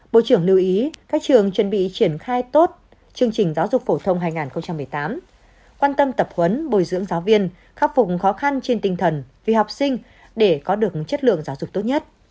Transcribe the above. bộ trưởng lưu ý các trường chuẩn bị triển khai tốt chương trình giáo dục phổ thông hai nghìn một mươi tám quan tâm tập huấn bồi dưỡng giáo viên khắc phục khó khăn trên tinh thần vì học sinh để có được chất lượng giáo dục tốt nhất